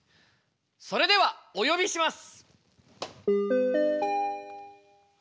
それではおよびします！